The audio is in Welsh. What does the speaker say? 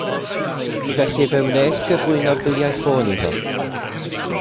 Felly fe wnes gyflwyno'r biliau ffôn iddo